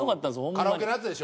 カラオケのやつでしょ？